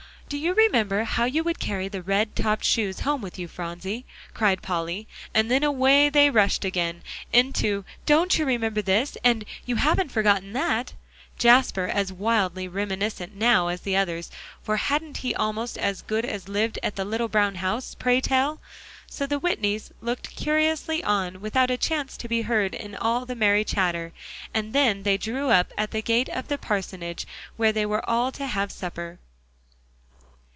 "Do you remember how you would carry the red topped shoes home with you, Phronsie?" cried Polly, and then away they rushed again into "Oh, don't you remember this, and you haven't forgotten that?" Jasper as wildly reminiscent now as the others, for hadn't he almost as good as lived at the little brown house, pray tell? So the Whitneys looked curiously on, without a chance to be heard in all the merry chatter; and then they drew up at the gate of the parsonage, where they were all to have supper.